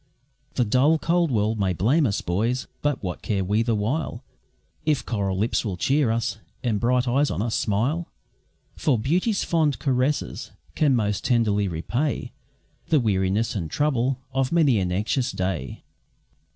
The dull, cold world may blame us, boys! but what care we the while, If coral lips will cheer us, and bright eyes on us smile? For beauty's fond caresses can most tenderly repay The weariness and trouble of many an anxious day.